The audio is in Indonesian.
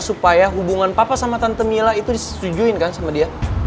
supaya hubungan papa sama tante mila itu disetujuin kan sama dia